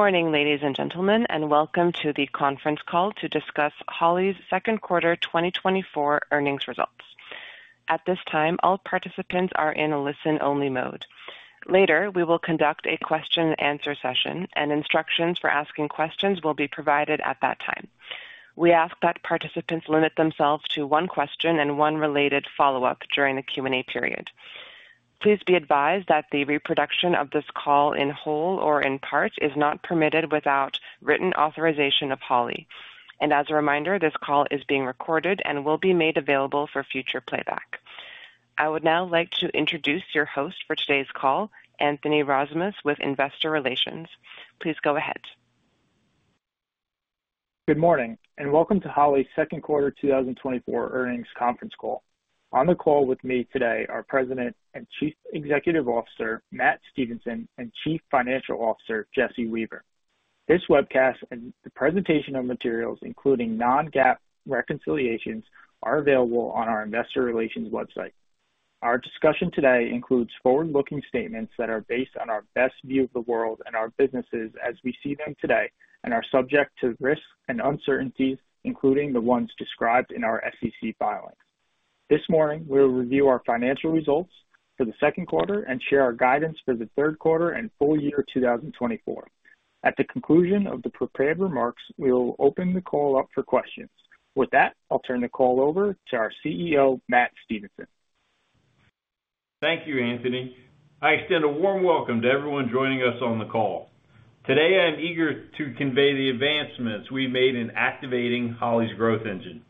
Good morning, ladies and gentlemen, and welcome to the conference call to discuss Holley's second quarter 2024 earnings results. At this time, all participants are in listen-only mode. Later, we will conduct a question-and-answer session, and instructions for asking questions will be provided at that time. We ask that participants limit themselves to one question and one related follow-up during the Q&A period. Please be advised that the reproduction of this call in whole or in part is not permitted without written authorization of Holley. As a reminder, this call is being recorded and will be made available for future playback. I would now like to introduce your host for today's call, Anthony Rozmus, with Investor Relations. Please go ahead. Good morning, and welcome to Holley's second quarter 2024 earnings conference call. On the call with me today are President and Chief Executive Officer Matt Stevenson and Chief Financial Officer Jesse Weaver. This webcast and the presentation of materials, including non-GAAP reconciliations, are available on our Investor Relations website. Our discussion today includes forward-looking statements that are based on our best view of the world and our businesses as we see them today and are subject to risks and uncertainties, including the ones described in our SEC filings. This morning, we will review our financial results for the second quarter and share our guidance for the third quarter and full year 2024. At the conclusion of the prepared remarks, we will open the call up for questions. With that, I'll turn the call over to our CEO, Matt Stevenson. Thank you, Anthony. I extend a warm welcome to everyone joining us on the call. Today, I'm eager to convey the advancements we've made in activating Holley's growth engine.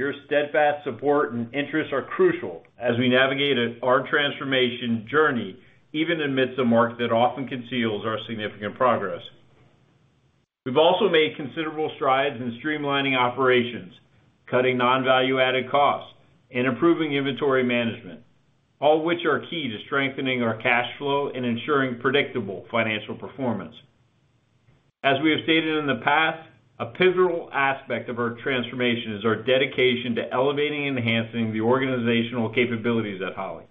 Your steadfast support and interest are crucial as we navigate our transformation journey, even amidst a market that often conceals our significant progress. We've also made considerable strides in streamlining operations, cutting non-value-added costs, and improving inventory management, all of which are key to strengthening our cash flow and ensuring predictable financial performance. As we have stated in the past, a pivotal aspect of our transformation is our dedication to elevating and enhancing the organizational capabilities at Holley.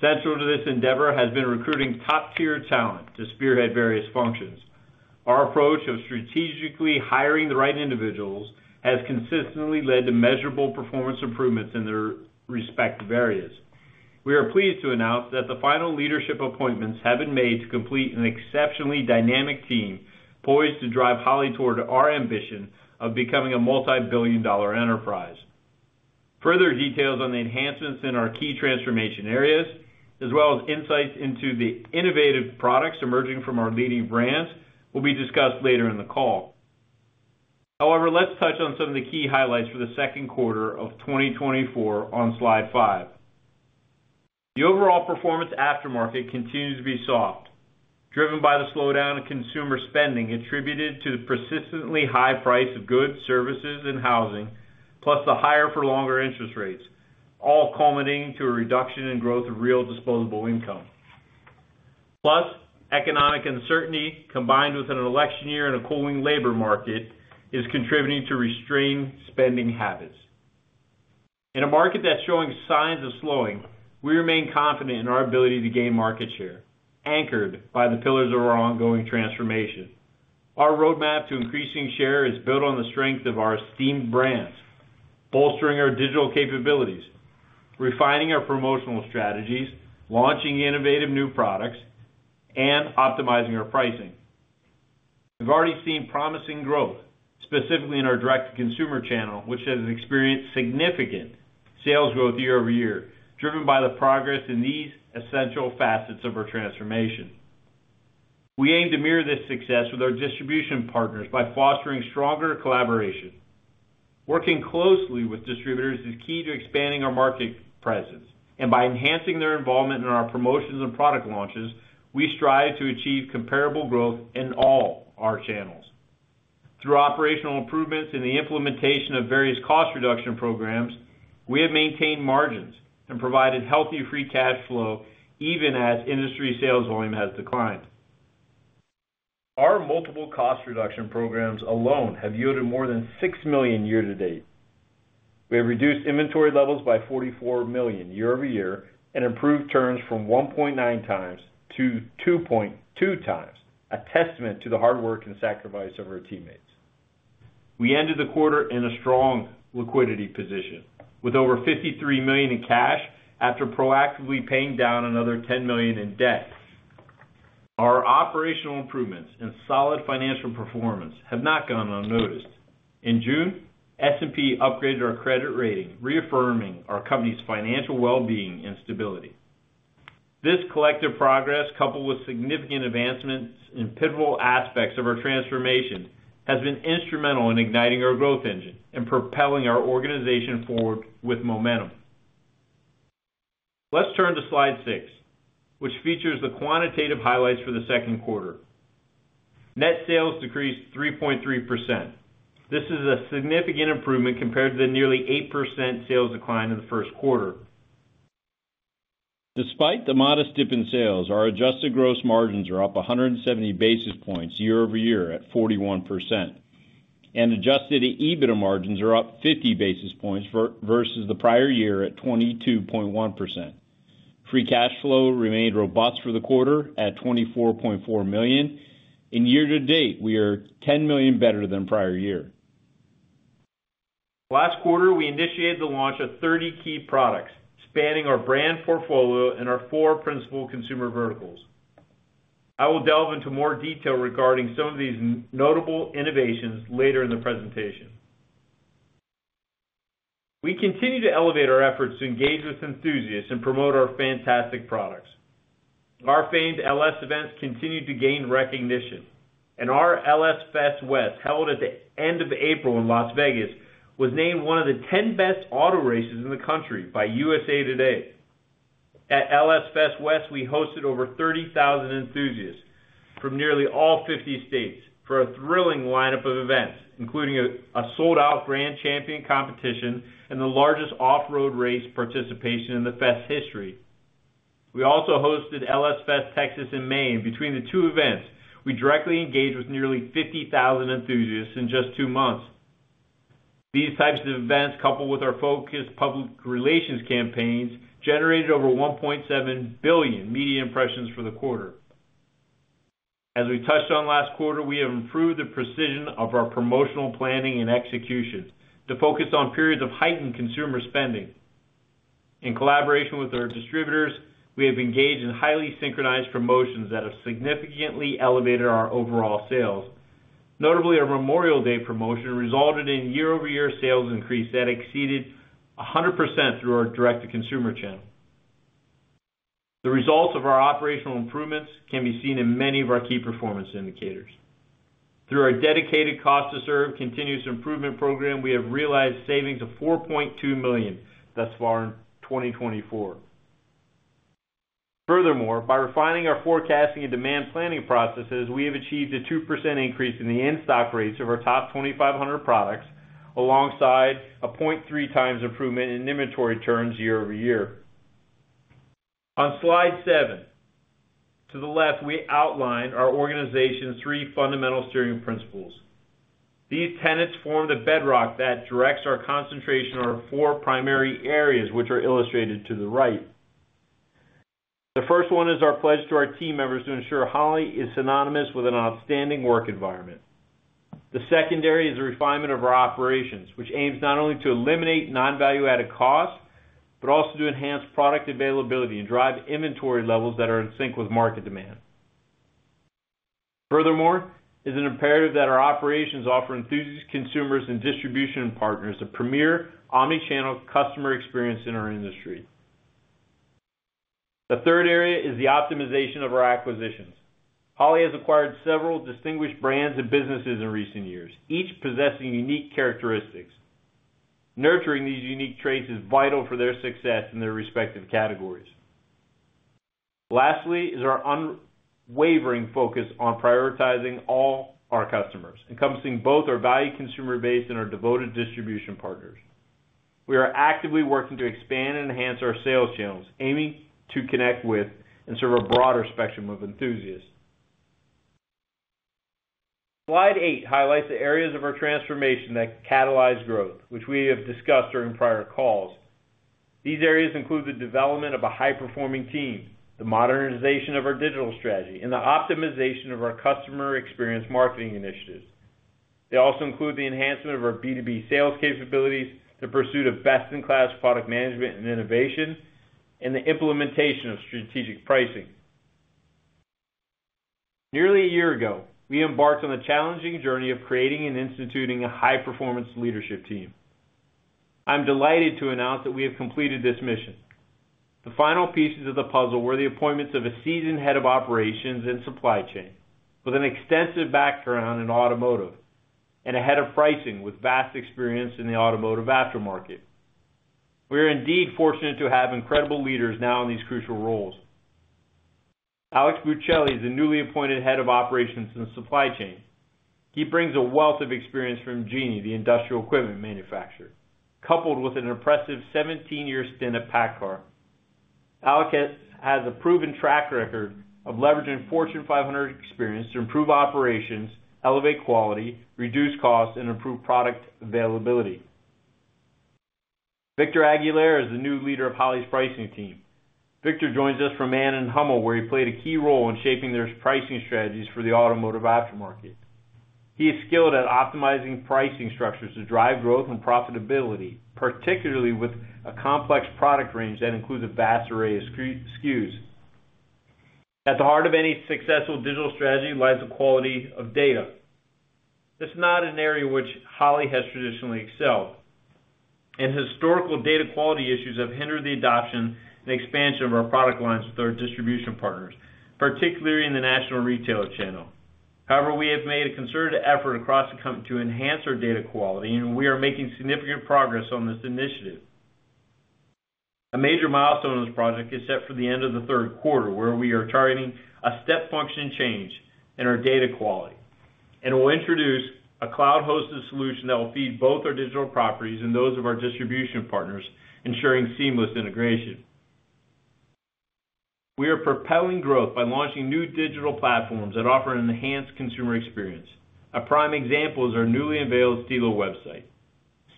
Central to this endeavor has been recruiting top-tier talent to spearhead various functions. Our approach of strategically hiring the right individuals has consistently led to measurable performance improvements in their respective areas. We are pleased to announce that the final leadership appointments have been made to complete an exceptionally dynamic team poised to drive Holley toward our ambition of becoming a multi-billion dollar enterprise. Further details on the enhancements in our key transformation areas, as well as insights into the innovative products emerging from our leading brands, will be discussed later in the call. However, let's touch on some of the key highlights for the second quarter of 2024 on slide five. The overall performance aftermarket continues to be soft, driven by the slowdown in consumer spending attributed to the persistently high price of goods, services, and housing, plus the higher-for-longer interest rates, all culminating to a reduction in growth of real disposable income. Plus, economic uncertainty combined with an election year and a cooling labor market is contributing to restrained spending habits. In a market that's showing signs of slowing, we remain confident in our ability to gain market share, anchored by the pillars of our ongoing transformation. Our roadmap to increasing share is built on the strength of our esteemed brands, bolstering our digital capabilities, refining our promotional strategies, launching innovative new products, and optimizing our pricing. We've already seen promising growth, specifically in our direct-to-consumer channel, which has experienced significant sales growth year over year, driven by the progress in these essential facets of our transformation. We aim to mirror this success with our distribution partners by fostering stronger collaboration. Working closely with distributors is key to expanding our market presence, and by enhancing their involvement in our promotions and product launches, we strive to achieve comparable growth in all our channels. Through operational improvements and the implementation of various cost reduction programs, we have maintained margins and provided healthy free cash flow, even as industry sales volume has declined. Our multiple cost reduction programs alone have yielded more than $6 million year to date. We have reduced inventory levels by $44 million year-over-year and improved turns from 1.9 times to 2.2 times, a testament to the hard work and sacrifice of our teammates. We ended the quarter in a strong liquidity position, with over $53 million in cash after proactively paying down another $10 million in debt. Our operational improvements and solid financial performance have not gone unnoticed. In June, S&P upgraded our credit rating, reaffirming our company's financial well-being and stability. This collective progress, coupled with significant advancements in pivotal aspects of our transformation, has been instrumental in igniting our growth engine and propelling our organization forward with momentum. Let's turn to slide 6, which features the quantitative highlights for the second quarter. Net sales decreased 3.3%. This is a significant improvement compared to the nearly 8% sales decline in the first quarter. Despite the modest dip in sales, our adjusted gross margins are up 170 basis points year-over-year at 41%, and Adjusted EBITDA margins are up 50 basis points versus the prior year at 22.1%. Free cash flow remained robust for the quarter at $24.4 million. Year-to-date, we are $10 million better than prior year. Last quarter, we initiated the launch of 30 key products spanning our brand portfolio and our four principal consumer verticals. I will delve into more detail regarding some of these notable innovations later in the presentation. We continue to elevate our efforts to engage with enthusiasts and promote our fantastic products. Our famed LS events continue to gain recognition, and our LS Fest West, held at the end of April in Las Vegas, was named one of the 10 best auto races in the country by USA Today. At LS Fest West, we hosted over 30,000 enthusiasts from nearly all 50 states for a thrilling lineup of events, including a sold-out Grand Champion competition and the largest off-road race participation in the Fest history. We also hosted LS Fest Texas in May. Between the two events, we directly engaged with nearly 50,000 enthusiasts in just two months. These types of events, coupled with our focused public relations campaigns, generated over 1.7 billion media impressions for the quarter. As we touched on last quarter, we have improved the precision of our promotional planning and execution to focus on periods of heightened consumer spending. In collaboration with our distributors, we have engaged in highly synchronized promotions that have significantly elevated our overall sales. Notably, our Memorial Day promotion resulted in year-over-year sales increase that exceeded 100% through our direct-to-consumer channel. The results of our operational improvements can be seen in many of our key performance indicators. Through our dedicated cost-to-serve continuous improvement program, we have realized savings of $4.2 million thus far in 2024. Furthermore, by refining our forecasting and demand planning processes, we have achieved a 2% increase in the in-stock rates of our top 2,500 products, alongside a 0.3x improvement in inventory turns year-over-year. On slide seven, to the left, we outline our organization's three fundamental steering principles. These tenets form the bedrock that directs our concentration on our four primary areas, which are illustrated to the right. The first one is our pledge to our team members to ensure Holley is synonymous with an outstanding work environment. The secondary is the refinement of our operations, which aims not only to eliminate non-value-added costs, but also to enhance product availability and drive inventory levels that are in sync with market demand. Furthermore, it is imperative that our operations offer enthusiasts, consumers, and distribution partners a premier omnichannel customer experience in our industry. The third area is the optimization of our acquisitions. Holley has acquired several distinguished brands and businesses in recent years, each possessing unique characteristics. Nurturing these unique traits is vital for their success in their respective categories. Lastly, it is our unwavering focus on prioritizing all our customers, encompassing both our value consumer base and our devoted distribution partners. We are actively working to expand and enhance our sales channels, aiming to connect with and serve a broader spectrum of enthusiasts. Slide eight highlights the areas of our transformation that catalyze growth, which we have discussed during prior calls. These areas include the development of a high-performing team, the modernization of our digital strategy, and the optimization of our customer experience marketing initiatives. They also include the enhancement of our B2B sales capabilities, the pursuit of best-in-class product management and innovation, and the implementation of strategic pricing. Nearly a year ago, we embarked on the challenging journey of creating and instituting a high-performance leadership team. I'm delighted to announce that we have completed this mission. The final pieces of the puzzle were the appointments of a seasoned head of operations and supply chain, with an extensive background in automotive, and a head of pricing with vast experience in the automotive aftermarket. We are indeed fortunate to have incredible leaders now in these crucial roles. Alex Buccella is the newly appointed head of operations and supply chain. He brings a wealth of experience from Genie, the industrial equipment manufacturer, coupled with an impressive 17-year stint at PACCAR. Alex has a proven track record of leveraging Fortune 500 experience to improve operations, elevate quality, reduce costs, and improve product availability. Victor Aguilar is the new leader of Holley's pricing team. Victor joins us from Mann+Hummel, where he played a key role in shaping their pricing strategies for the automotive aftermarket. He is skilled at optimizing pricing structures to drive growth and profitability, particularly with a complex product range that includes a vast array of SKUs. At the heart of any successful digital strategy lies the quality of data. This is not an area in which Holley has traditionally excelled, and historical data quality issues have hindered the adoption and expansion of our product lines with our distribution partners, particularly in the national retailer channel. However, we have made a concerted effort across the company to enhance our data quality, and we are making significant progress on this initiative. A major milestone in this project is set for the end of the third quarter, where we are targeting a step function change in our data quality and will introduce a cloud-hosted solution that will feed both our digital properties and those of our distribution partners, ensuring seamless integration. We are propelling growth by launching new digital platforms that offer an enhanced consumer experience. A prime example is our newly unveiled Stilo website.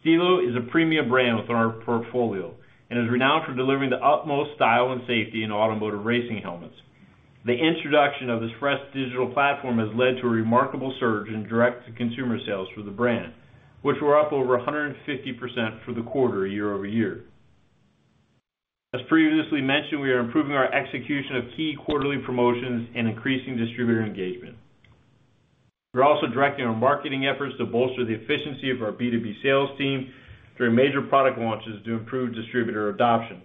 Stilo is a premium brand within our portfolio and is renowned for delivering the utmost style and safety in automotive racing helmets. The introduction of this fresh digital platform has led to a remarkable surge in direct-to-consumer sales for the brand, which were up over 150% for the quarter year-over-year. As previously mentioned, we are improving our execution of key quarterly promotions and increasing distributor engagement. We're also directing our marketing efforts to bolster the efficiency of our B2B sales team through major product launches to improve distributor adoption.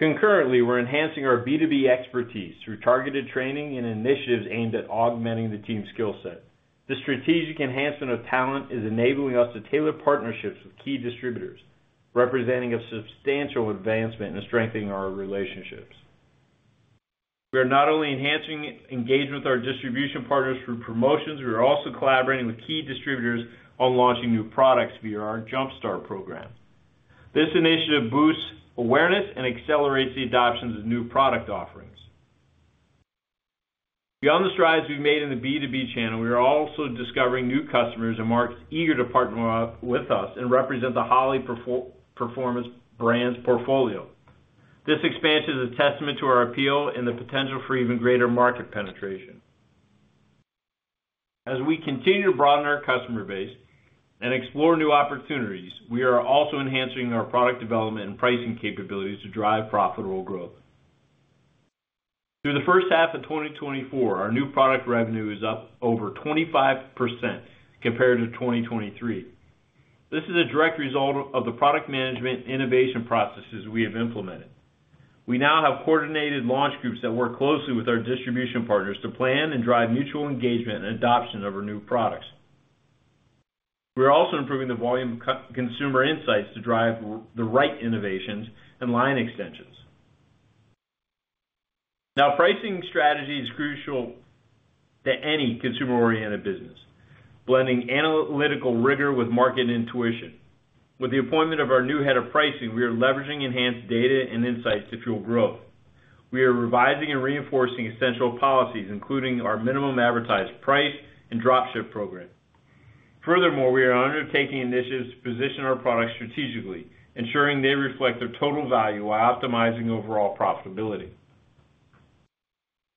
Concurrently, we're enhancing our B2B expertise through targeted training and initiatives aimed at augmenting the team's skill set. The strategic enhancement of talent is enabling us to tailor partnerships with key distributors, representing a substantial advancement in strengthening our relationships. We are not only enhancing engagement with our distribution partners through promotions, we are also collaborating with key distributors on launching new products via our Jump Start program. This initiative boosts awareness and accelerates the adoption of new product offerings. Beyond the strides we've made in the B2B channel, we are also discovering new customers and markets eager to partner with us and represent the Holley Performance brand's portfolio. This expansion is a testament to our appeal and the potential for even greater market penetration. As we continue to broaden our customer base and explore new opportunities, we are also enhancing our product development and pricing capabilities to drive profitable growth. Through the first half of 2024, our new product revenue is up over 25% compared to 2023. This is a direct result of the product management innovation processes we have implemented. We now have coordinated launch groups that work closely with our distribution partners to plan and drive mutual engagement and adoption of our new products. We are also improving the volume of consumer insights to drive the right innovations and line extensions. Now, pricing strategy is crucial to any consumer-oriented business, blending analytical rigor with market intuition. With the appointment of our new head of pricing, we are leveraging enhanced data and insights to fuel growth. We are revising and reinforcing essential policies, including our minimum advertised price and dropship program. Furthermore, we are undertaking initiatives to position our products strategically, ensuring they reflect their total value while optimizing overall profitability.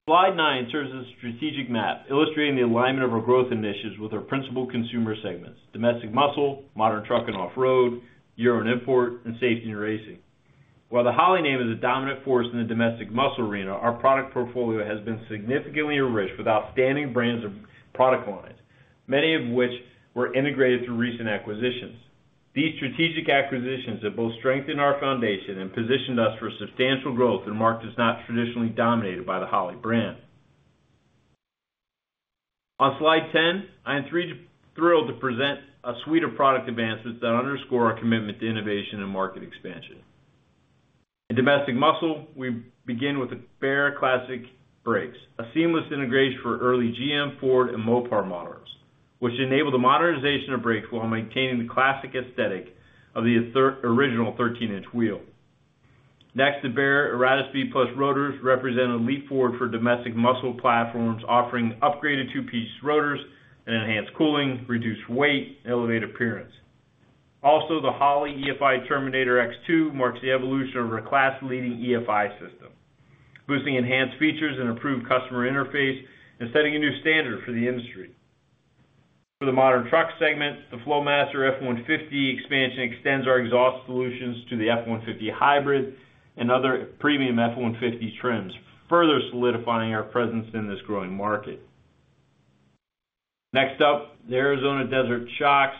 Slide 9 serves as a strategic map illustrating the alignment of our growth initiatives with our principal consumer segments: domestic muscle, modern truck and off-road, year-round import, and safety and racing. While the Holley name is a dominant force in the domestic muscle arena, our product portfolio has been significantly enriched with outstanding brands and product lines, many of which were integrated through recent acquisitions. These strategic acquisitions have both strengthened our foundation and positioned us for substantial growth in markets not traditionally dominated by the Holley brand. On slide 10, I am thrilled to present a suite of product advancements that underscore our commitment to innovation and market expansion. In domestic muscle, we begin with the Baer Classic Brakes, a seamless integration for early GM, Ford, and Mopar models, which enabled the modernization of brakes while maintaining the classic aesthetic of the original 13-inch wheel. Next, the Baer EradiSpeed+ rotors represent a leap forward for domestic muscle platforms, offering upgraded two-piece rotors and enhanced cooling, reduced weight, and elevated appearance. Also, the Holley EFI Terminator X2 marks the evolution of our class-leading EFI system, boosting enhanced features and improved customer interface and setting a new standard for the industry. For the modern truck segment, the Flowmaster F-150 expansion extends our exhaust solutions to the F-150 Hybrid and other premium F-150 trims, further solidifying our presence in this growing market. Next up, the Arizona Desert Shocks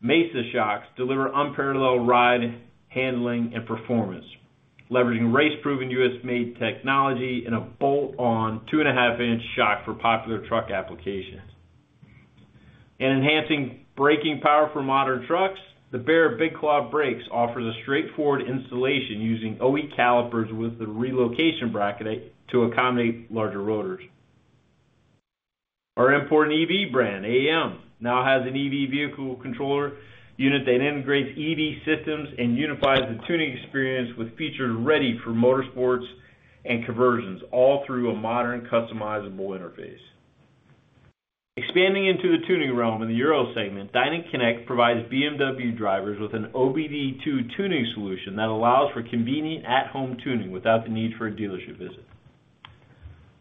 Mesa shocks deliver unparalleled ride handling and performance, leveraging race-proven U.S.-made technology and a bolt-on 2.5-inch shock for popular truck applications. In enhancing braking power for modern trucks, the Baer Big Claw Brakes offers a straightforward installation using OE calipers with a relocation bracket to accommodate larger rotors. Our imported EV brand, AEM, now has an EV vehicle controller unit that integrates EV systems and unifies the tuning experience with features ready for motorsports and conversions, all through a modern customizable interface. Expanding into the tuning realm in the Euro segment, Dinan Connect provides BMW drivers with an OBD2 tuning solution that allows for convenient at-home tuning without the need for a dealership visit.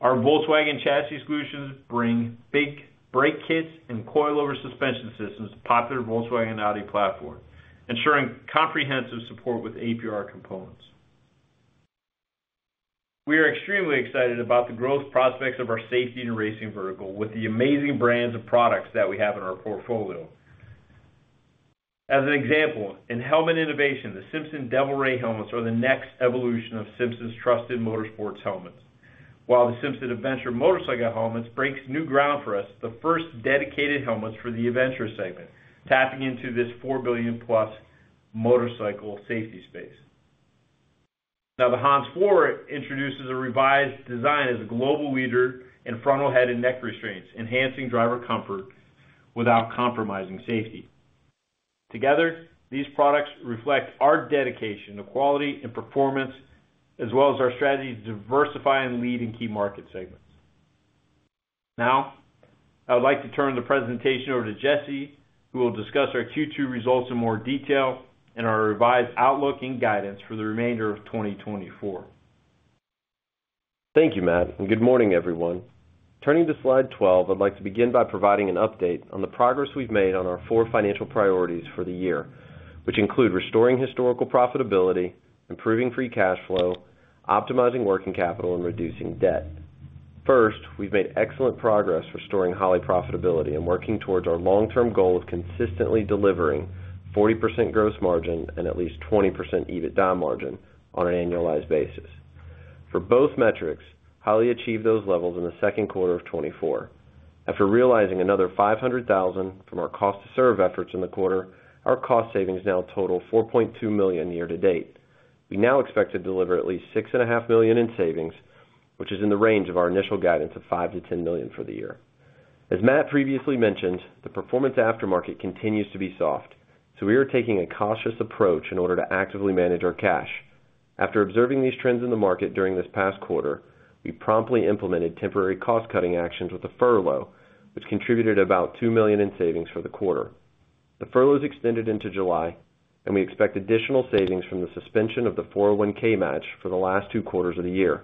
Our Volkswagen chassis solutions bring big brake kits and coil-over suspension systems to popular Volkswagen Audi platforms, ensuring comprehensive support with APR components. We are extremely excited about the growth prospects of our safety and racing vertical with the amazing brands of products that we have in our portfolio. As an example, in helmet innovation, the Simpson Devil Ray helmets are the next evolution of Simpson's trusted motorsports helmets. While the Simpson Adventure motorcycle helmets break new ground for us, the first dedicated helmets for the Adventure segment, tapping into this $4 billion+ motorcycle safety space. Now, the HANS IV introduces a revised design as a global leader in frontal head and neck restraints, enhancing driver comfort without compromising safety. Together, these products reflect our dedication to quality and performance, as well as our strategy to diversify and lead in key market segments. Now, I would like to turn the presentation over to Jesse, who will discuss our Q2 results in more detail and our revised outlook and guidance for the remainder of 2024. Thank you, Matt. And good morning, everyone. Turning to slide 12, I'd like to begin by providing an update on the progress we've made on our four financial priorities for the year, which include restoring historical profitability, improving free cash flow, optimizing working capital, and reducing debt. First, we've made excellent progress for restoring Holley profitability and working towards our long-term goal of consistently delivering 40% gross margin and at least 20% EBITDA margin on an annualized basis. For both metrics, Holley achieved those levels in the second quarter of 2024. After realizing another $500,000 from our cost-to-serve efforts in the quarter, our cost savings now total $4.2 million year to date. We now expect to deliver at least $6.5 million in savings, which is in the range of our initial guidance of $5 million-$10 million for the year. As Matt previously mentioned, the performance aftermarket continues to be soft, so we are taking a cautious approach in order to actively manage our cash. After observing these trends in the market during this past quarter, we promptly implemented temporary cost-cutting actions with a furlough, which contributed about $2 million in savings for the quarter. The furlough has extended into July, and we expect additional savings from the suspension of the 401(k) match for the last two quarters of the year.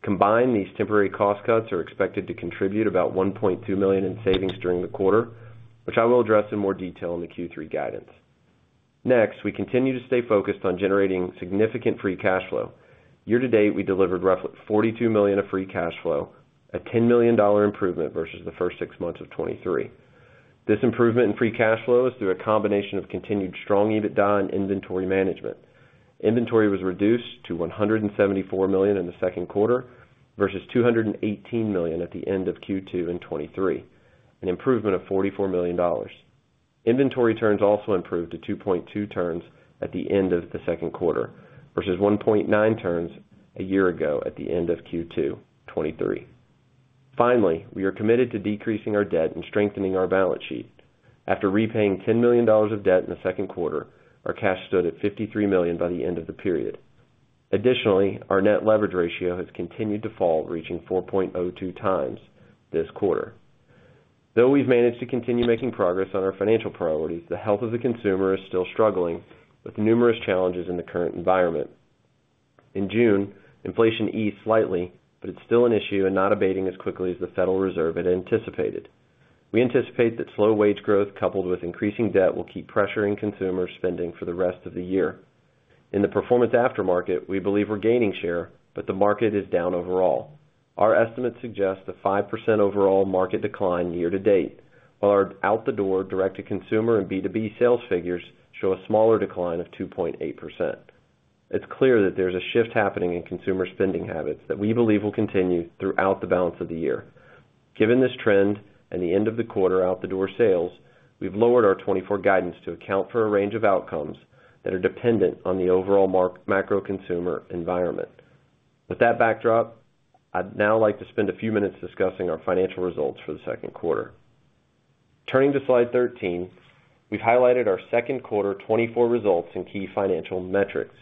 Combined, these temporary cost cuts are expected to contribute about $1.2 million in savings during the quarter, which I will address in more detail in the Q3 guidance. Next, we continue to stay focused on generating significant Free Cash Flow. Year to date, we delivered roughly $42 million of Free Cash Flow, a $10 million improvement versus the first six months of 2023. This improvement in free cash flow is through a combination of continued strong EBITDA and inventory management. Inventory was reduced to $174 million in the second quarter versus $218 million at the end of Q2 2023, an improvement of $44 million. Inventory turns also improved to 2.2 turns at the end of the second quarter versus 1.9 turns a year ago at the end of Q2 2023. Finally, we are committed to decreasing our debt and strengthening our balance sheet. After repaying $10 million of debt in the second quarter, our cash stood at $53 million by the end of the period. Additionally, our net leverage ratio has continued to fall, reaching 4.02 times this quarter. Though we've managed to continue making progress on our financial priorities, the health of the consumer is still struggling with numerous challenges in the current environment. In June, inflation eased slightly, but it's still an issue and not abating as quickly as the Federal Reserve had anticipated. We anticipate that slow wage growth coupled with increasing debt will keep pressuring consumer spending for the rest of the year. In the performance aftermarket, we believe we're gaining share, but the market is down overall. Our estimates suggest a 5% overall market decline year to date, while our out-the-door, direct-to-consumer and B2B sales figures show a smaller decline of 2.8%. It's clear that there's a shift happening in consumer spending habits that we believe will continue throughout the balance of the year. Given this trend and the end of the quarter out-the-door sales, we've lowered our 2024 guidance to account for a range of outcomes that are dependent on the overall macro consumer environment. With that backdrop, I'd now like to spend a few minutes discussing our financial results for the second quarter. Turning to slide 13, we've highlighted our second quarter 2024 results and key financial metrics.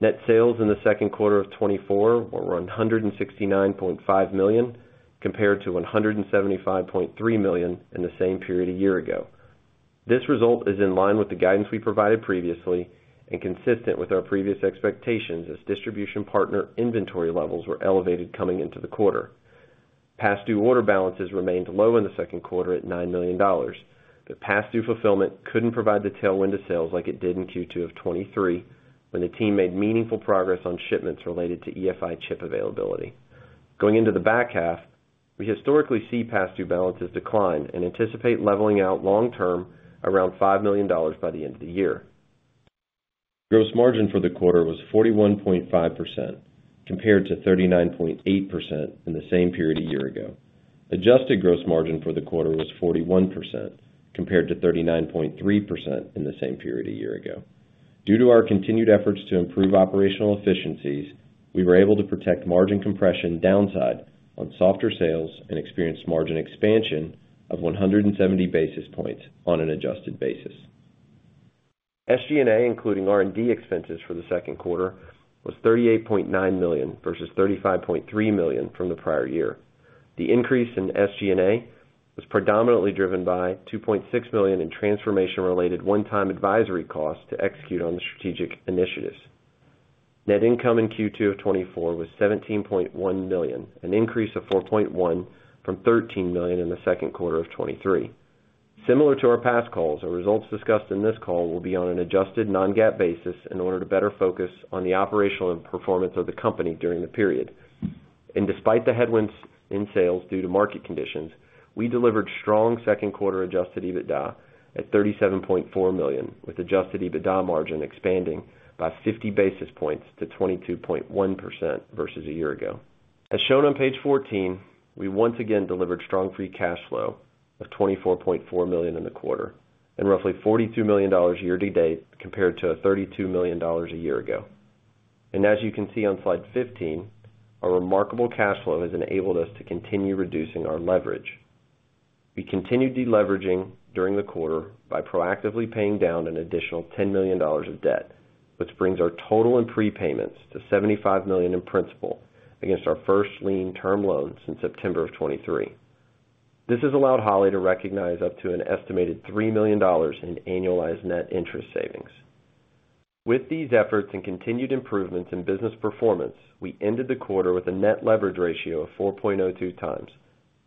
Net sales in the second quarter of 2024 were $169.5 million compared to $175.3 million in the same period a year ago. This result is in line with the guidance we provided previously and consistent with our previous expectations as distribution partner inventory levels were elevated coming into the quarter. Past due order balances remained low in the second quarter at $9 million. The past due fulfillment couldn't provide the tailwind to sales like it did in Q2 of 2023 when the team made meaningful progress on shipments related to EFI chip availability. Going into the back half, we historically see past due balances decline and anticipate leveling out long-term around $5 million by the end of the year. Gross margin for the quarter was 41.5% compared to 39.8% in the same period a year ago. Adjusted gross margin for the quarter was 41% compared to 39.3% in the same period a year ago. Due to our continued efforts to improve operational efficiencies, we were able to protect margin compression downside on softer sales and experienced margin expansion of 170 basis points on an adjusted basis. SG&A, including R&D expenses for the second quarter, was $38.9 million versus $35.3 million from the prior year. The increase in SG&A was predominantly driven by $2.6 million in transformation-related one-time advisory costs to execute on the strategic initiatives. Net income in Q2 of 2024 was $17.1 million, an increase of $4.1 million from $13 million in the second quarter of 2023. Similar to our past calls, our results discussed in this call will be on an adjusted non-GAAP basis in order to better focus on the operational performance of the company during the period. Despite the headwinds in sales due to market conditions, we delivered strong second quarter adjusted EBITDA at $37.4 million, with adjusted EBITDA margin expanding by 50 basis points to 22.1% versus a year ago. As shown on page 14, we once again delivered strong free cash flow of $24.4 million in the quarter and roughly $42 million year to date compared to $32 million a year ago. As you can see on slide 15, our remarkable cash flow has enabled us to continue reducing our leverage. We continued deleveraging during the quarter by proactively paying down an additional $10 million of debt, which brings our total in prepayments to $75 million in principal against our first lien term loan since September of 2023. This has allowed Holley to recognize up to an estimated $3 million in annualized net interest savings. With these efforts and continued improvements in business performance, we ended the quarter with a net leverage ratio of 4.02 times,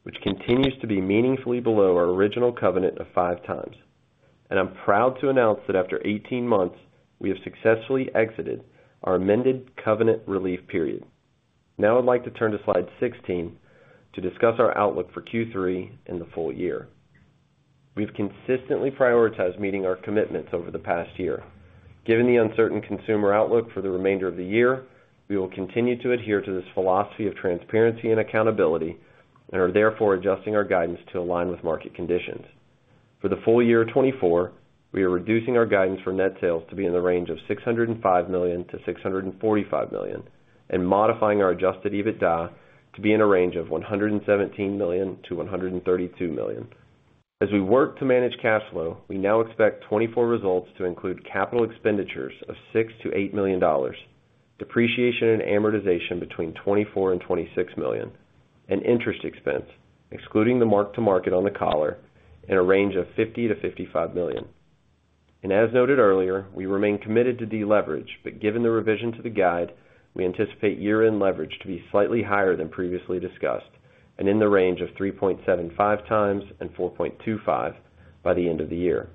which continues to be meaningfully below our original covenant of five times. I'm proud to announce that after 18 months, we have successfully exited our amended covenant relief period. Now I'd like to turn to slide 16 to discuss our outlook for Q3 in the full year. We've consistently prioritized meeting our commitments over the past year. Given the uncertain consumer outlook for the remainder of the year, we will continue to adhere to this philosophy of transparency and accountability and are therefore adjusting our guidance to align with market conditions. For the full year 2024, we are reducing our guidance for net sales to be in the range of $605 million-$645 million and modifying our adjusted EBITDA to be in a range of $117 million-$132 million. As we work to manage cash flow, we now expect 2024 results to include capital expenditures of $6 million-$8 million, depreciation and amortization between $24 million-$26 million, and interest expense, excluding the mark-to-market on the collar, in a range of $50 million-$55 million. As noted earlier, we remain committed to deleverage, but given the revision to the guide, we anticipate year-end leverage to be slightly higher than previously discussed and in the range of 3.75 times and 4.25 by the end of the year.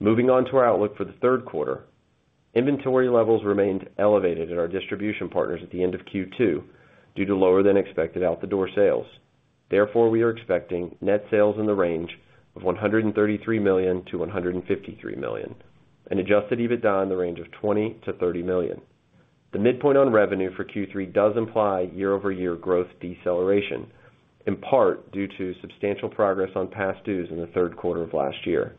Moving on to our outlook for the third quarter, inventory levels remained elevated at our distribution partners at the end of Q2 due to lower-than-expected out-the-door sales. Therefore, we are expecting net sales in the range of $133 million-$153 million and Adjusted EBITDA in the range of $20 million-$30 million. The midpoint on revenue for Q3 does imply year-over-year growth deceleration, in part due to substantial progress on past dues in the third quarter of last year.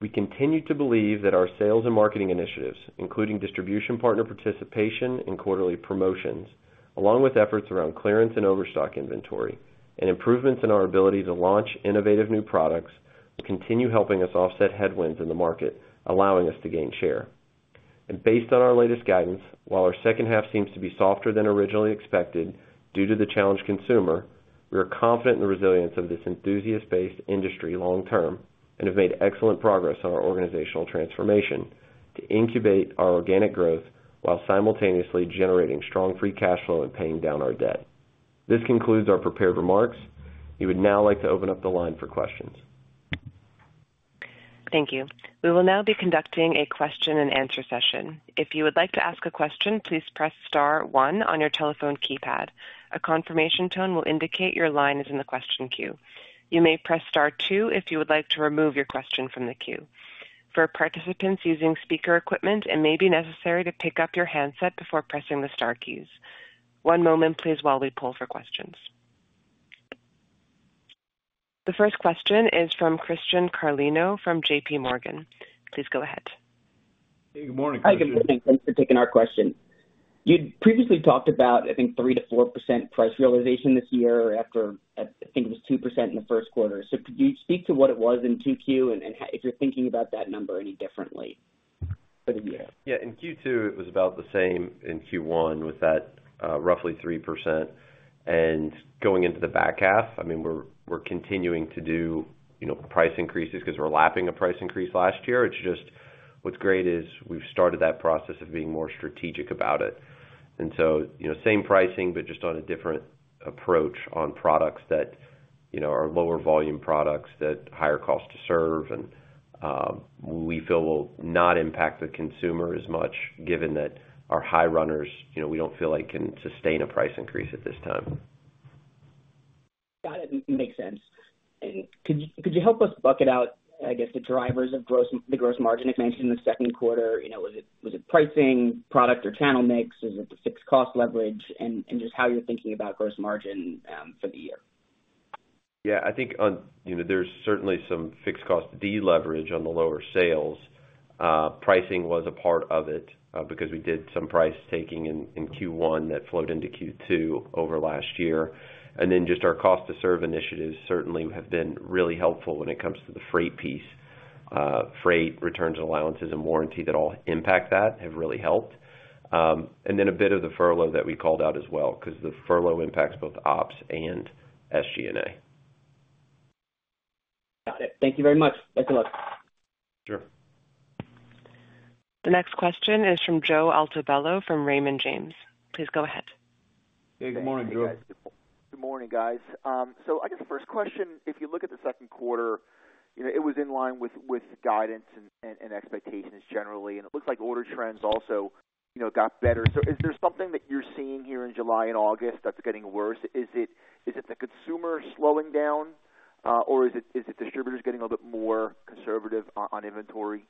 We continue to believe that our sales and marketing initiatives, including distribution partner participation and quarterly promotions, along with efforts around clearance and overstock inventory and improvements in our ability to launch innovative new products, will continue helping us offset headwinds in the market, allowing us to gain share. Based on our latest guidance, while our second half seems to be softer than originally expected due to the challenged consumer, we are confident in the resilience of this enthusiast-based industry long-term and have made excellent progress on our organizational transformation to incubate our organic growth while simultaneously generating strong free cash flow and paying down our debt. This concludes our prepared remarks. We would now like to open up the line for questions. Thank you. We will now be conducting a question-and-answer session. If you would like to ask a question, please press star 1 on your telephone keypad. A confirmation tone will indicate your line is in the question queue. You may press star 2 if you would like to remove your question from the queue. For participants using speaker equipment, it may be necessary to pick up your handset before pressing the star keys. One moment, please, while we pull for questions. The first question is from Christian Carlino from J.P. Morgan. Please go ahead. Hey, good morning, Christian. Hi, good morning. Thanks for taking our question. You'd previously talked about, I think, 3%-4% price realization this year after, I think, it was 2% in the first quarter. So could you speak to what it was in Q2 and if you're thinking about that number any differently for the year? Yeah. In Q2, it was about the same. In Q1, with that roughly 3%. Going into the back half, I mean, we're continuing to do price increases because we're lapping a price increase last year. It's just what's great is we've started that process of being more strategic about it. And so same pricing, but just on a different approach on products that are lower volume products that higher cost to serve. And we feel will not impact the consumer as much, given that our high runners, we don't feel like can sustain a price increase at this time. Got it. Makes sense. And could you help us bucket out, I guess, the drivers of the gross margin expansion in the second quarter? Was it pricing, product, or channel mix? Is it the fixed cost leverage? And just how you're thinking about gross margin for the year? Yeah. I think there's certainly some fixed cost deleverage on the lower sales. Pricing was a part of it because we did some price taking in Q1 that flowed into Q2 over last year. And then just our cost-to-serve initiatives certainly have been really helpful when it comes to the freight piece. Freight, returns, and allowances and warranty that all impact that have really helped. And then a bit of the furlough that we called out as well because the furlough impacts both ops and SG&A. Got it. Thank you very much. Thanks a lot. Sure. The next question is from Joe Altobello from Raymond James. Please go ahead. Hey, good morning, Joe. Good morning, guys. So I guess the first question, if you look at the second quarter, it was in line with guidance and expectations generally. And it looks like order trends also got better. So is there something that you're seeing here in July and August that's getting worse? Is it the consumer slowing down, or is it distributors getting a little bit more conservative on inventory?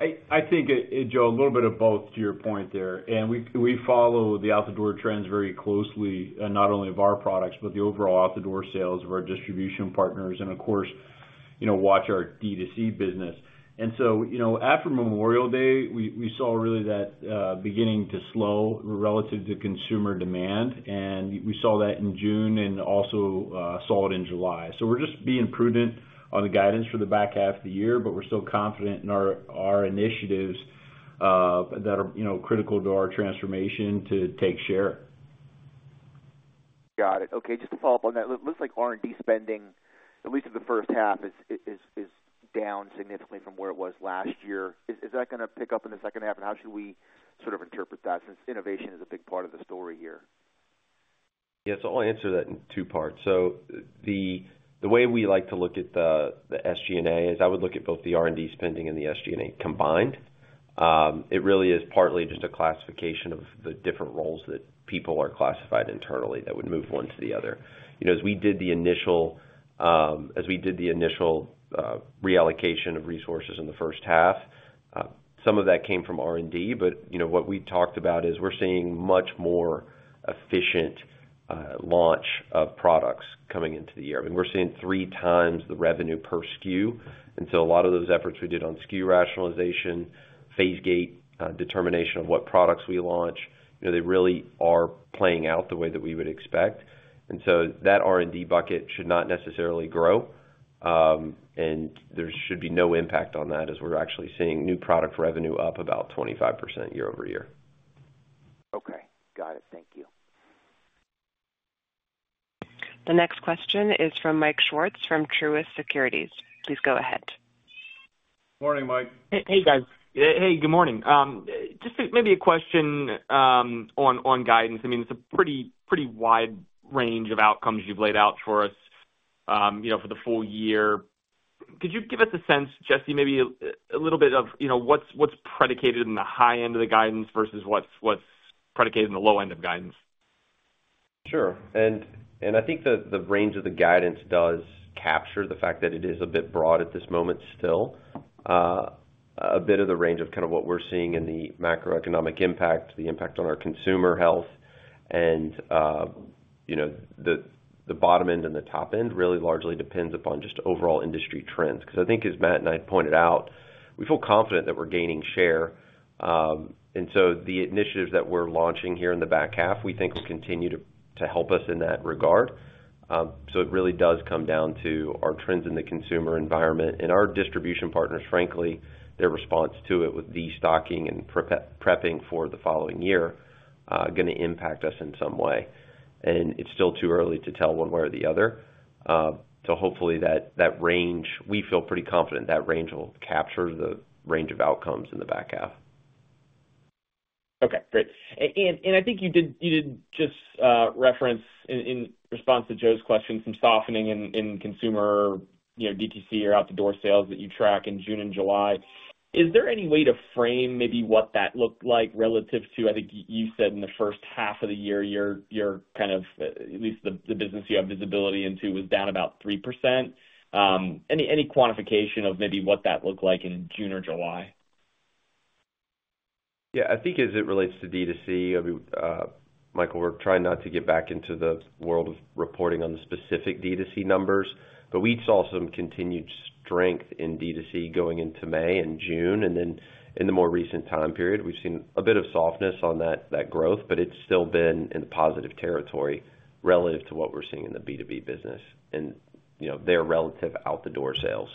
I think, Joe, a little bit of both to your point there. We follow the out-the-door trends very closely, not only of our products, but the overall out-the-door sales of our distribution partners and, of course, watch our D2C business. So after Memorial Day, we saw really that beginning to slow relative to consumer demand. We saw that in June and also saw it in July. We're just being prudent on the guidance for the back half of the year, but we're still confident in our initiatives that are critical to our transformation to take share. Got it. Okay. Just to follow up on that, it looks like R&D spending, at least in the first half, is down significantly from where it was last year. Is that going to pick up in the second half? How should we sort of interpret that since innovation is a big part of the story here? Yeah. I'll answer that in two parts. The way we like to look at the SG&A is I would look at both the R&D spending and the SG&A combined. It really is partly just a classification of the different roles that people are classified internally that would move one to the other. As we did the initial reallocation of resources in the first half, some of that came from R&D. But what we talked about is we're seeing much more efficient launch of products coming into the year. I mean, we're seeing three times the revenue per SKU. And so a lot of those efforts we did on SKU rationalization, phase gate determination of what products we launch, they really are playing out the way that we would expect. And so that R&D bucket should not necessarily grow. And there should be no impact on that as we're actually seeing new product revenue up about 25% year-over-year. Okay. Got it. Thank you. The next question is from Mike Swartz from Truist Securities. Please go ahead. Morning, Mike. Hey, guys. Hey, good morning. Just maybe a question on guidance. I mean, it's a pretty wide range of outcomes you've laid out for us for the full year. Could you give us a sense, Jesse, maybe a little bit of what's predicated in the high end of the guidance versus what's predicated in the low end of guidance? Sure. I think the range of the guidance does capture the fact that it is a bit broad at this moment still. A bit of the range of kind of what we're seeing in the macroeconomic impact, the impact on our consumer health, and the bottom end and the top end really largely depends upon just overall industry trends. Because I think, as Matt and I pointed out, we feel confident that we're gaining share. So the initiatives that we're launching here in the back half, we think will continue to help us in that regard. It really does come down to our trends in the consumer environment and our distribution partners, frankly, their response to it with destocking and prepping for the following year going to impact us in some way. It's still too early to tell one way or the other. So hopefully that range, we feel pretty confident that range will capture the range of outcomes in the back half. Okay. Great. And I think you did just reference in response to Joe's question some softening in consumer D2C or out-the-door sales that you track in June and July. Is there any way to frame maybe what that looked like relative to, I think you said in the first half of the year, your kind of at least the business you have visibility into was down about 3%? Any quantification of maybe what that looked like in June or July? Yeah. I think as it relates to D2C, Michael, we're trying not to get back into the world of reporting on the specific D2C numbers. But we saw some continued strength in D2C going into May and June. Then in the more recent time period, we've seen a bit of softness on that growth, but it's still been in the positive territory relative to what we're seeing in the B2B business and their relative out-the-door sales.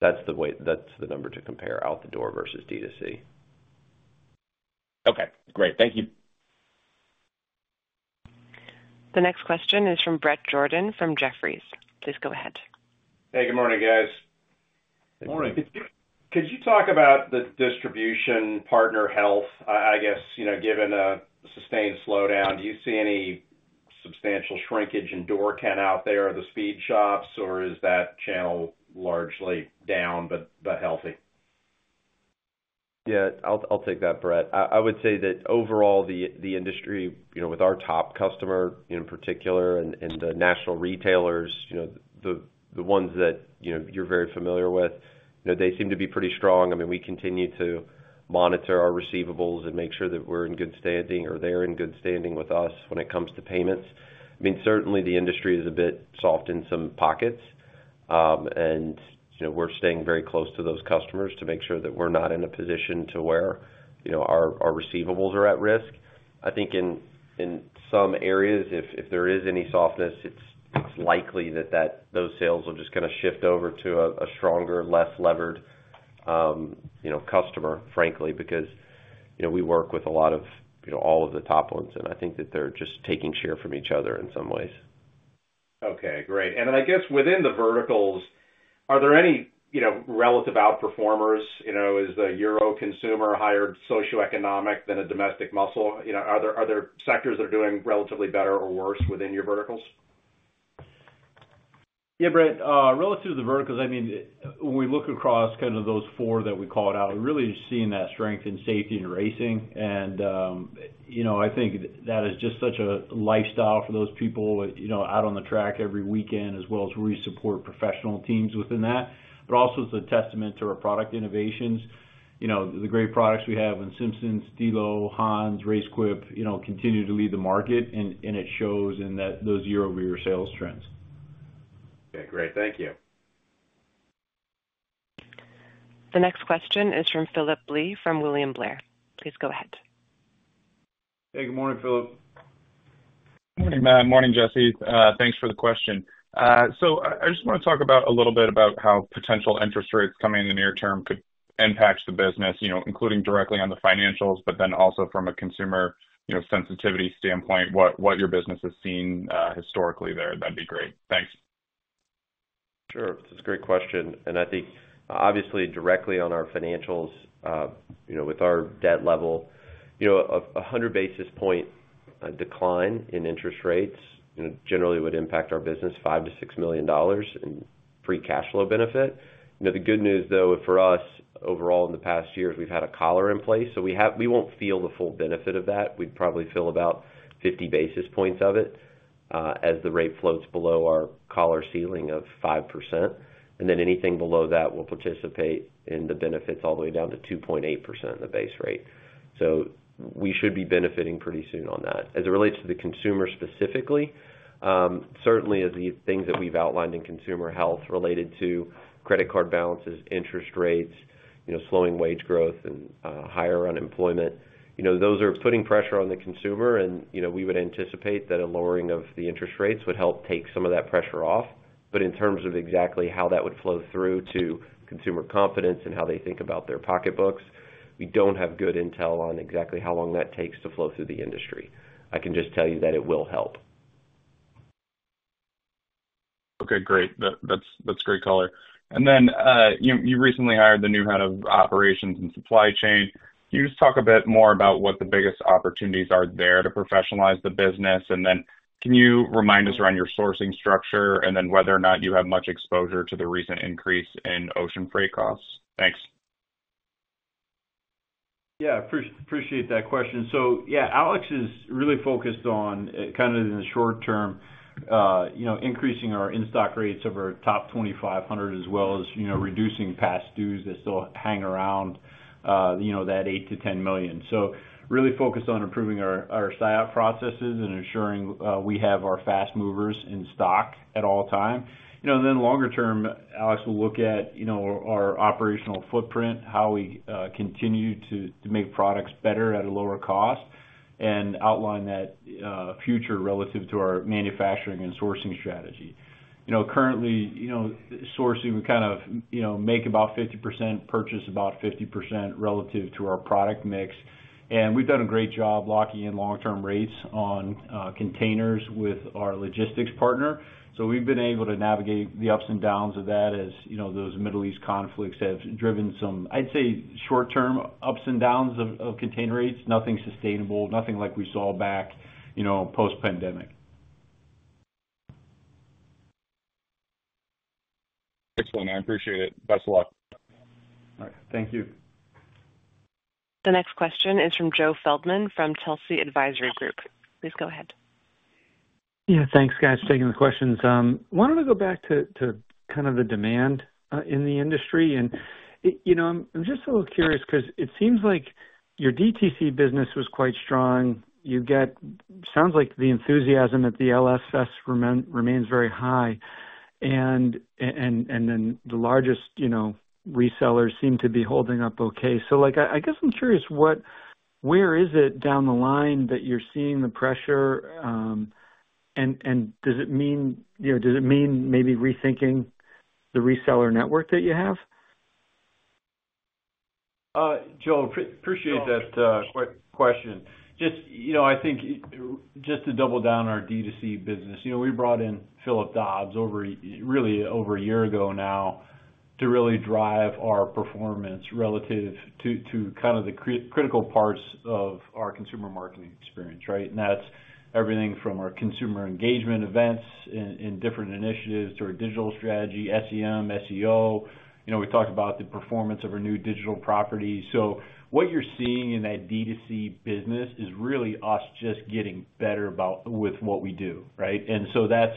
That's the number to compare out-the-door versus D2C. Okay. Great. Thank you. The next question is from Bret Jordan from Jefferies. Please go ahead. Hey, good morning, guys. Good morning. Could you talk about the distribution partner health? I guess given a sustained slowdown, do you see any substantial shrinkage in door count out there of the speed shops, or is that channel largely down but healthy? Yeah. I'll take that, Brett. I would say that overall, the industry with our top customer in particular and the national retailers, the ones that you're very familiar with, they seem to be pretty strong. I mean, we continue to monitor our receivables and make sure that we're in good standing or they're in good standing with us when it comes to payments. I mean, certainly the industry is a bit soft in some pockets. We're staying very close to those customers to make sure that we're not in a position to where our receivables are at risk. I think in some areas, if there is any softness, it's likely that those sales will just kind of shift over to a stronger, less levered customer, frankly, because we work with a lot of all of the top ones. I think that they're just taking share from each other in some ways. Okay. Great. And I guess within the verticals, are there any relative outperformers? Is the Euro consumer higher socioeconomic than a domestic muscle? Are there sectors that are doing relatively better or worse within your verticals? Yeah, Brett. Relative to the verticals, I mean, when we look across kind of those four that we called out, we're really seeing that strength in safety and racing. I think that is just such a lifestyle for those people out on the track every weekend, as well as we support professional teams within that. Also it's a testament to our product innovations. The great products we have in Simpson, Stilo, HANS, RaceQuip continue to lead the market, and it shows in those year-over-year sales trends. Okay. Great. Thank you. The next question is from Phillip Lee from William Blair. Please go ahead. Hey, good morning, Philip. Morning, Matt. Morning, Jesse. Thanks for the question. So I just want to talk a little bit about how potential interest rates coming in the near term could impact the business, including directly on the financials, but then also from a consumer sensitivity standpoint, what your business has seen historically there. That'd be great. Thanks. Sure. This is a great question. And I think, obviously, directly on our financials with our debt level, a 100 basis point decline in interest rates generally would impact our business, $5 million-$6 million in free cash flow benefit. The good news, though, for us overall in the past year is we've had a collar in place. So we won't feel the full benefit of that. We'd probably feel about 50 basis points of it as the rate floats below our collar ceiling of 5%. And then anything below that will participate in the benefits all the way down to 2.8% in the base rate. So we should be benefiting pretty soon on that. As it relates to the consumer specifically, certainly the things that we've outlined in consumer health related to credit card balances, interest rates, slowing wage growth, and higher unemployment, those are putting pressure on the consumer. And we would anticipate that a lowering of the interest rates would help take some of that pressure off. But in terms of exactly how that would flow through to consumer confidence and how they think about their pocketbooks, we don't have good intel on exactly how long that takes to flow through the industry. I can just tell you that it will help. Okay. Great. That's great color. And then you recently hired the new head of operations and supply chain. Can you just talk a bit more about what the biggest opportunities are there to professionalize the business? And then can you remind us around your sourcing structure and then whether or not you have much exposure to the recent increase in ocean freight costs? Thanks. Yeah. Appreciate that question. So yeah, Alex is really focused on kind of in the short term, increasing our in-stock rates of our top 2,500 as well as reducing past dues that still hang around that $8 million-$10 million. So really focused on improving our supply processes and ensuring we have our fast movers in stock at all times. Then longer term, Alex will look at our operational footprint, how we continue to make products better at a lower cost, and outline that future relative to our manufacturing and sourcing strategy. Currently, sourcing, we kind of make about 50%, purchase about 50% relative to our product mix. And we've done a great job locking in long-term rates on containers with our logistics partner. So we've been able to navigate the ups and downs of that as those Middle East conflicts have driven some, I'd say, short-term ups and downs of container rates. Nothing sustainable, nothing like we saw back post-pandemic. Excellent. I appreciate it. Best of luck. All right. Thank you. The next question is from Joe Feldman from Telsey Advisory Group. Please go ahead. Yeah. Thanks, guys, for taking the questions. I wanted to go back to kind of the demand in the industry. And I'm just a little curious because it seems like your DTC business was quite strong. You get, sounds like, the enthusiasm at the LS Fest remains very high. And then the largest resellers seem to be holding up okay. So I guess I'm curious, where is it down the line that you're seeing the pressure? And does it mean maybe rethinking the reseller network that you have? Joe, appreciate that question. Just I think just to double down our D2C business, we brought in Philip Dodds really over a year ago now to really drive our performance relative to kind of the critical parts of our consumer marketing experience, right? And that's everything from our consumer engagement events and different initiatives to our digital strategy, SEM, SEO. We talked about the performance of our new digital properties. So what you're seeing in that D2C business is really us just getting better with what we do, right? And so that's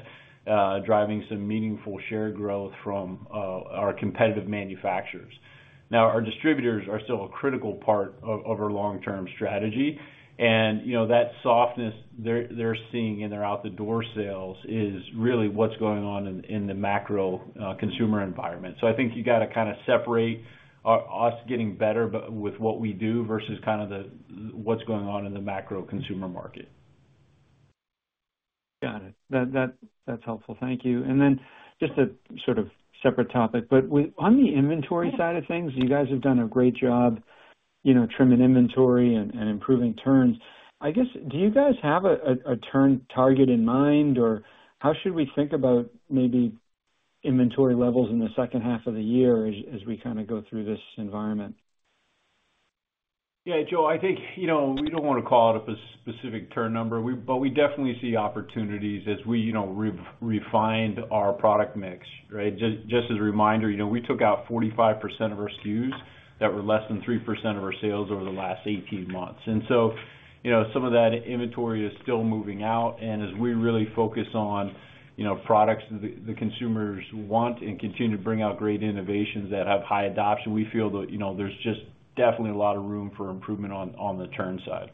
driving some meaningful share growth from our competitive manufacturers. Now, our distributors are still a critical part of our long-term strategy. That softness they're seeing in their out-the-door sales is really what's going on in the macro consumer environment. I think you got to kind of separate us getting better with what we do versus kind of what's going on in the macro consumer market. Got it. That's helpful. Thank you. Then just a sort of separate topic, but on the inventory side of things, you guys have done a great job trimming inventory and improving turns. I guess, do you guys have a turn target in mind, or how should we think about maybe inventory levels in the second half of the year as we kind of go through this environment? Yeah, Joe, I think we don't want to call it a specific turn number, but we definitely see opportunities as we refine our product mix, right? Just as a reminder, we took out 45% of our SKUs that were less than 3% of our sales over the last 18 months. And so some of that inventory is still moving out. And as we really focus on products the consumers want and continue to bring out great innovations that have high adoption, we feel that there's just definitely a lot of room for improvement on the turn side.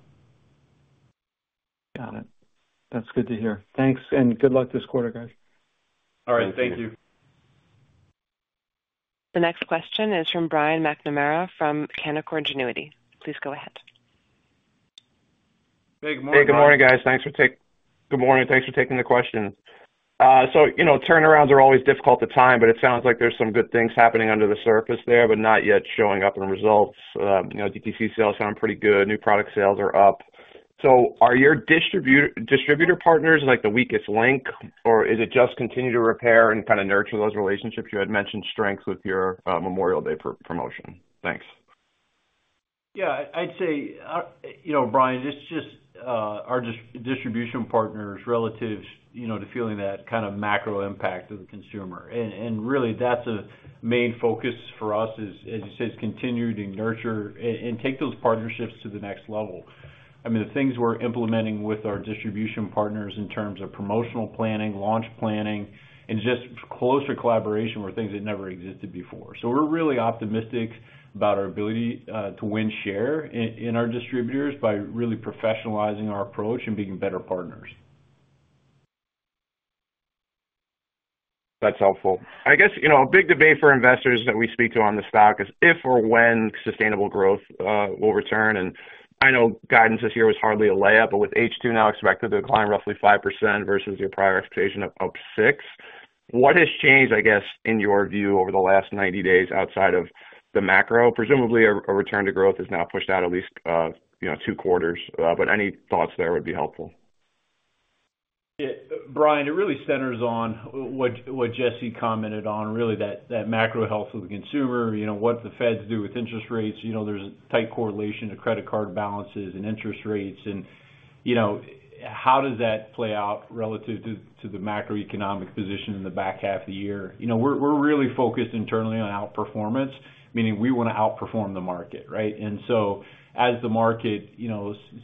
Got it. That's good to hear. Thanks. And good luck this quarter, guys. All right. Thank you. The next question is from Brian McNamara from Canaccord Genuity. Please go ahead. Hey, good morning, guys. Thanks for taking the question. So turnarounds are always difficult at times, but it sounds like there's some good things happening under the surface there, but not yet showing up in results. DTC sales sound pretty good. New product sales are up. So are your distributor partners the weakest link, or is it just continue to repair and kind of nurture those relationships? You had mentioned strengths with your Memorial Day promotion. Thanks. Yeah. I'd say, Brian, it's just our distribution partners' relative to feeling that kind of macro impact of the consumer. And really, that's a main focus for us, as you said, is continuing to nurture and take those partnerships to the next level. I mean, the things we're implementing with our distribution partners in terms of promotional planning, launch planning, and just closer collaboration were things that never existed before. So we're really optimistic about our ability to win share in our distributors by really professionalizing our approach and being better partners. That's helpful. I guess a big debate for investors that we speak to on the stock is if or when sustainable growth will return. And I know guidance this year was hardly a layup, but with H2 now expected to decline roughly 5% versus your prior expectation of 6%, what has changed, I guess, in your view over the last 90 days outside of the macro? Presumably, a return to growth is now pushed out at least two quarters, but any thoughts there would be helpful. Yeah. Brian, it really centers on what Jesse commented on, really that macro health of the consumer, what the Feds do with interest rates. There's a tight correlation to credit card balances and interest rates. And how does that play out relative to the macroeconomic position in the back half of the year? We're really focused internally on outperformance, meaning we want to outperform the market, right? And so as the market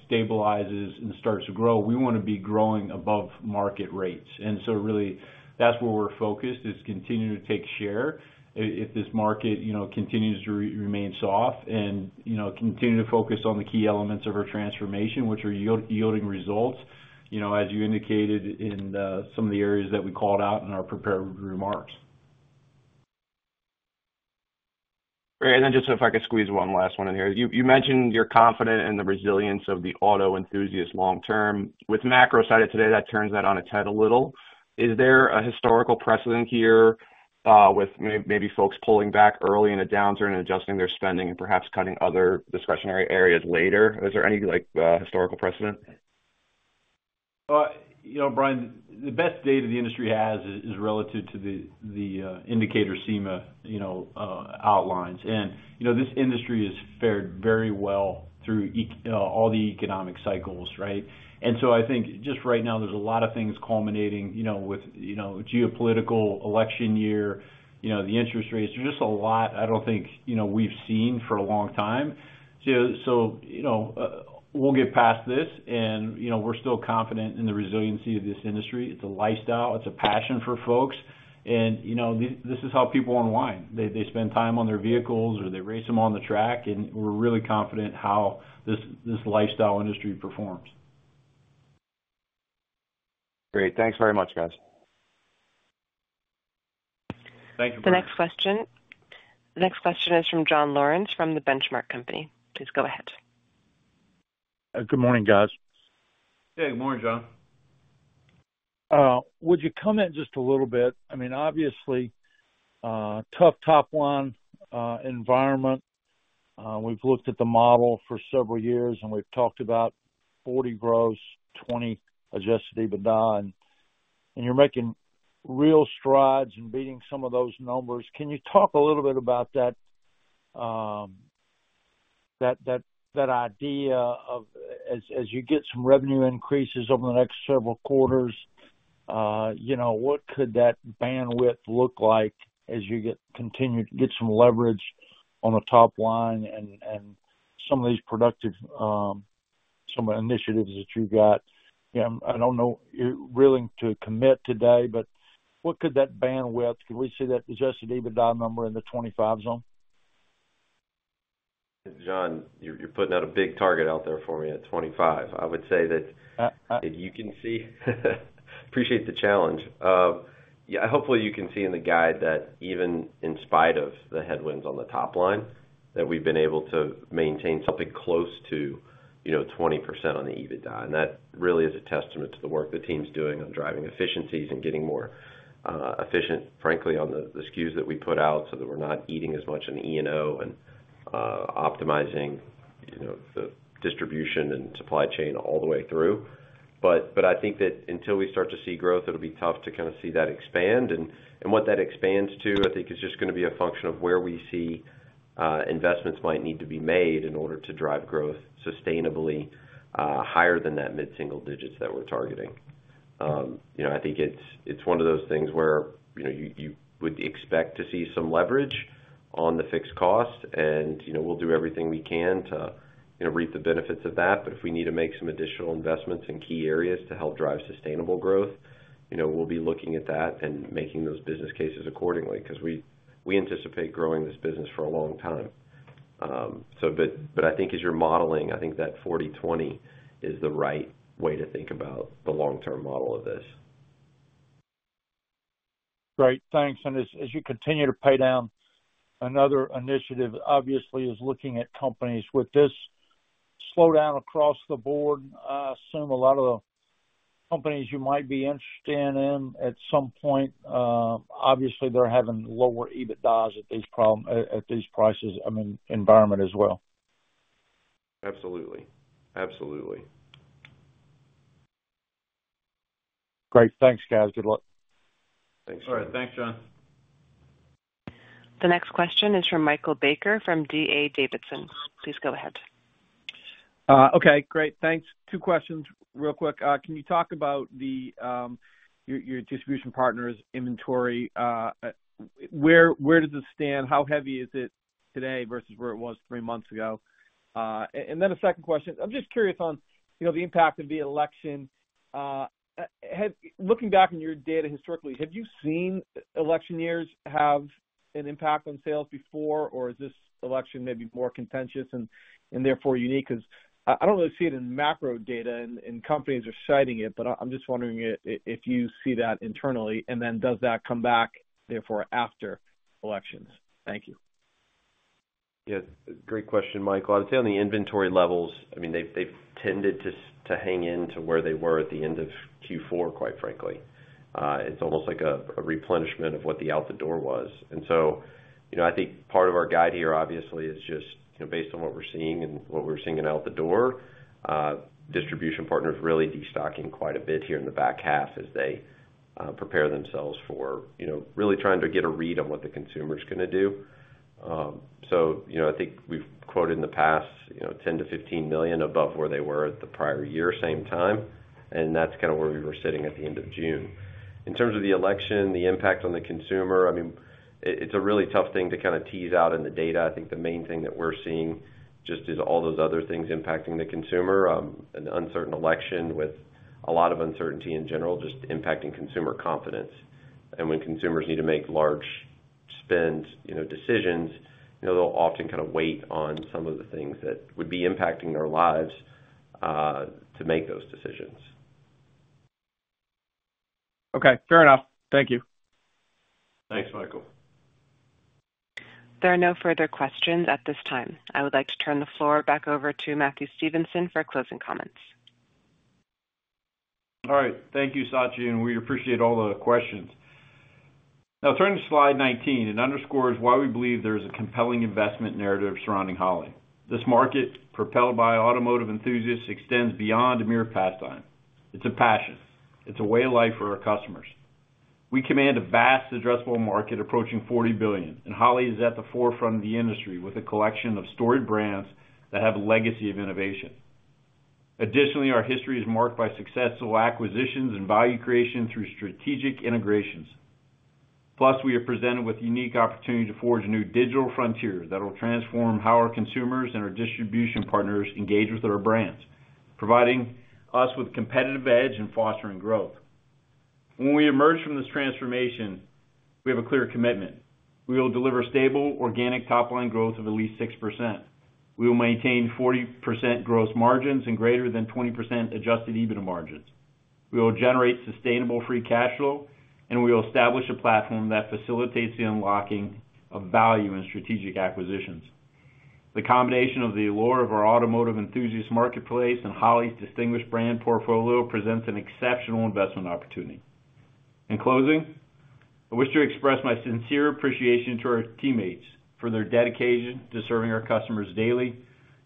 stabilizes and starts to grow, we want to be growing above market rates. And so really, that's where we're focused is continue to take share if this market continues to remain soft and continue to focus on the key elements of our transformation, which are yielding results, as you indicated in some of the areas that we called out in our prepared remarks. Great. And then just if I could squeeze one last one in here. You mentioned you're confident in the resilience of the auto enthusiast long-term. With macro side of today, that turns that on its head a little. Is there a historical precedent here with maybe folks pulling back early in a downturn and adjusting their spending and perhaps cutting other discretionary areas later? Is there any historical precedent? Well, Brian, the best data the industry has is relative to the indicator SEMA outlines. This industry has fared very well through all the economic cycles, right? So I think just right now, there's a lot of things culminating with geopolitical, election year, the interest rates. There's just a lot I don't think we've seen for a long time. We'll get past this. We're still confident in the resiliency of this industry. It's a lifestyle. It's a passion for folks. This is how people unwind. They spend time on their vehicles or they race them on the track. We're really confident in how this lifestyle industry performs. Great. Thanks very much, guys. Thank you, Brian. The next question is from John Lawrence from The Benchmark Company. Please go ahead. Good morning, guys. Hey, good morning, John. Would you comment just a little bit? I mean, obviously, tough top-line environment. We've looked at the model for several years, and we've talked about 40 gross, 20 Adjusted EBITDA. And you're making real strides in beating some of those numbers. Can you talk a little bit about that idea of, as you get some revenue increases over the next several quarters, what could that bandwidth look like as you get some leverage on the top line and some of these productive initiatives that you've got? I don't know you're willing to commit today, but what could that bandwidth, can we see that Adjusted EBITDA number in the 25 zone? John, you're putting out a big target out there for me at 25. I would say that you can see, appreciate the challenge. Yeah, hopefully, you can see in the guide that even in spite of the headwinds on the top line, that we've been able to maintain something close to 20% on the EBITDA. And that really is a testament to the work the team's doing on driving efficiencies and getting more efficient, frankly, on the SKUs that we put out so that we're not eating as much in E&O and optimizing the distribution and supply chain all the way through. But I think that until we start to see growth, it'll be tough to kind of see that expand. And what that expands to, I think, is just going to be a function of where we see investments might need to be made in order to drive growth sustainably higher than that mid-single digits that we're targeting. I think it's one of those things where you would expect to see some leverage on the fixed cost, and we'll do everything we can to reap the benefits of that. But if we need to make some additional investments in key areas to help drive sustainable growth, we'll be looking at that and making those business cases accordingly because we anticipate growing this business for a long time. But I think as you're modeling, I think that 40/20 is the right way to think about the long-term model of this. Great. Thanks. And as you continue to pay down another initiative, obviously, is looking at companies. With this slowdown across the board, I assume a lot of the companies you might be interested in at some point, obviously, they're having lower EBITDAs at these prices, I mean, environment as well. Absolutely. Absolutely. Great. Thanks, guys. Good luck. Thanks, John. All right. Thanks, John. The next question is from Michael Baker from D.A. Davidson. Please go ahead. Okay. Great. Thanks. Two questions real quick. Can you talk about your distribution partner's inventory? Where does it stand? How heavy is it today versus where it was three months ago? And then a second question. I'm just curious on the impact of the election. Looking back on your data historically, have you seen election years have an impact on sales before, or is this election maybe more contentious and therefore unique? Because I don't really see it in macro data and companies are citing it, but I'm just wondering if you see that internally, and then does that come back therefore after elections? Thank you. Yeah. Great question, Michael. I'd say on the inventory levels, I mean, they've tended to hang in to where they were at the end of Q4, quite frankly. It's almost like a replenishment of what the out-the-door was. And so I think part of our guide here, obviously, is just based on what we're seeing and what we're seeing in out-the-door, distribution partners really destocking quite a bit here in the back half as they prepare themselves for really trying to get a read on what the consumer's going to do. So I think we've quoted in the past $10 million-$15 million above where they were the prior year, same time. And that's kind of where we were sitting at the end of June. In terms of the election, the impact on the consumer, I mean, it's a really tough thing to kind of tease out in the data. I think the main thing that we're seeing just is all those other things impacting the consumer. An uncertain election with a lot of uncertainty in general just impacting consumer confidence. And when consumers need to make large spend decisions, they'll often kind of wait on some of the things that would be impacting their lives to make those decisions. Okay. Fair enough. Thank you. Thanks, Michael. There are no further questions at this time. I would like to turn the floor back over to Matthew Stevenson for closing comments. All right. Thank you, Sachi. And we appreciate all the questions. Now, turning to slide 19, it underscores why we believe there is a compelling investment narrative surrounding Holley. This market, propelled by automotive enthusiasts, extends beyond a mere pastime. It's a passion. It's a way of life for our customers. We command a vast addressable market approaching $40 billion, and Holley is at the forefront of the industry with a collection of storied brands that have a legacy of innovation. Additionally, our history is marked by successful acquisitions and value creation through strategic integrations. Plus, we are presented with a unique opportunity to forge a new digital frontier that will transform how our consumers and our distribution partners engage with our brands, providing us with a competitive edge and fostering growth. When we emerge from this transformation, we have a clear commitment. We will deliver stable, organic top-line growth of at least 6%. We will maintain 40% gross margins and greater than 20% adjusted EBITDA margins. We will generate sustainable free cash flow, and we will establish a platform that facilitates the unlocking of value and strategic acquisitions. The combination of the allure of our automotive enthusiast marketplace and Holley's distinguished brand portfolio presents an exceptional investment opportunity. In closing, I wish to express my sincere appreciation to our teammates for their dedication to serving our customers daily,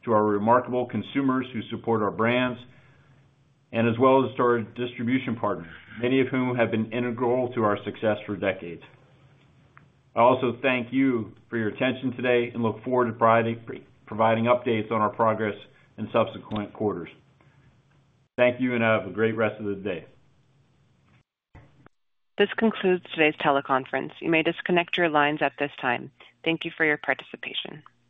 to our remarkable consumers who support our brands, and as well as to our distribution partners, many of whom have been integral to our success for decades. I also thank you for your attention today and look forward to providing updates on our progress in subsequent quarters. Thank you, and have a great rest of the day. This concludes today's teleconference. You may disconnect your lines at this time. Thank you for your participation.